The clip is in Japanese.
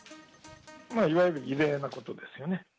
いわゆる異例なことですよね。